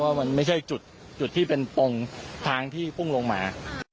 ว่ามันไม่ใช่จุดที่เป็นตรงทางที่พุ่งลงมา